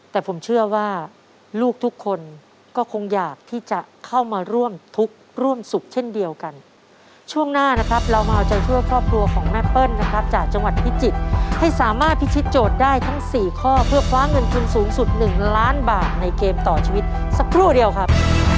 แต่ผมเชื่อว่าลูกทุกคนก็คงอยากที่จะเข้ามาร่วมทุกข์ร่วมสุขเช่นเดียวกันช่วงหน้านะครับเรามาเอาใจช่วยครอบครัวของแม่เปิ้ลนะครับจากจังหวัดพิจิตรให้สามารถพิชิตโจทย์ได้ทั้งสี่ข้อเพื่อคว้าเงินทุนสูงสุด๑ล้านบาทในเกมต่อชีวิตสักครู่เดียวครับ